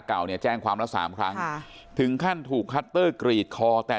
เก่าเนี่ยแจ้งความละสามครั้งค่ะถึงขั้นถูกคัตเตอร์กรีดคอแต่